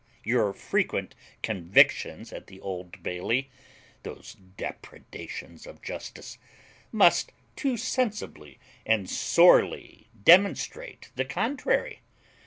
Your frequent convictions at the Old Bailey, those depredations of justice, must too sensibly and sorely demonstrate the contrary.